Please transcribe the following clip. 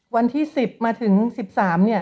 วันที่๑๐มาถึง๑๓เนี่ย